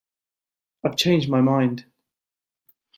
I’ve changed my mind